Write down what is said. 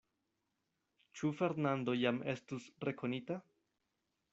Ĉu Fernando jam estus rekonita?